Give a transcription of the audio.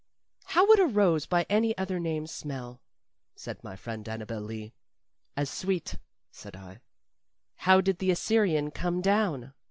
"How would a rose by any other name smell?" said my friend Annabel Lee. "As sweet," said I. "How did the Assyrian come down?"